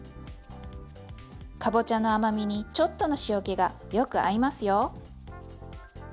かぼちゃの甘みにちょっとの塩気がよく合いますよ。